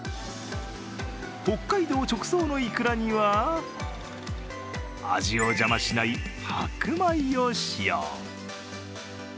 北海道直送のいくらには味を邪魔しない白米を使用。